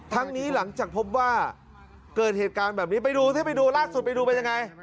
นี้หลังจากพบว่าเกิดเหตุการณ์แบบนี้ไปดูถ้าไปดูล่าสุดไปดูเป็นยังไง